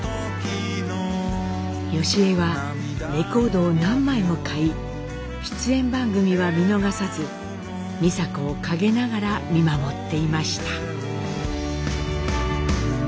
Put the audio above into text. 祥江はレコードを何枚も買い出演番組は見逃さず美佐子を陰ながら見守っていました。